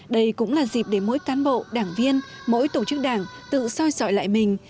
đây cũng là dịp để mỗi cán bộ đảng viên mỗi tổ chức đảng tự soi sỏi lại mình